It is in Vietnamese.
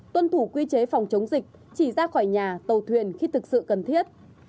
tuân thủ quy chế phòng chống dịch chỉ ra khỏi nhà tàu thuyền khi thực sự cần thiết